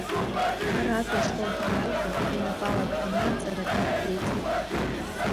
Аратәи ашкол даналга, инапала дганы аҵара ду дҭеиҵеит.